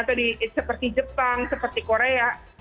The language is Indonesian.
atau seperti jepang seperti korea